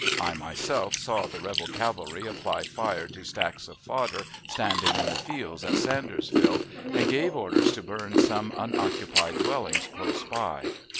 I myself saw the rebel cavalry apply fire to stacks of fodder standing in the fields at Sandersville, and gave orders to burn some unoccupied dwellings close by.